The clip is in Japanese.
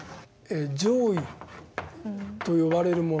上位と呼ばれるもの